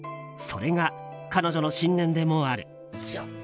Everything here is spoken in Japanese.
それが彼女の信念でもある。